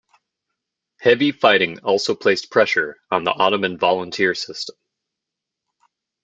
Heavy fighting also placed pressure on the Ottoman volunteer system.